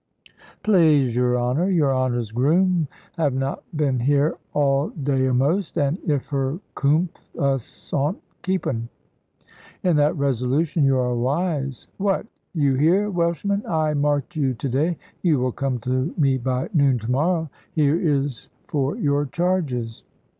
"Plaize your honour, your honour's groom have not been here all day a'most; and if her coom'th, us 'ont keep un." "In that resolution you are wise. What! you here, Welshman? I marked you to day. You will come to me by noon to morrow. Here is for your charges."